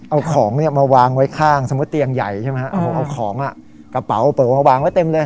เอาของเนี่ยมาวางไว้ข้างสมมุติเตียงใหญ่ใช่ไหมเอาผมเอาของกระเป๋าเป๋อมาวางไว้เต็มเลย